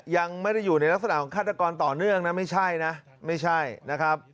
ยังไม่ได้อยู่ในลักษณะของฆาตกรต่อเนื่องนะไม่ใช่นะไม่ใช่นะครับ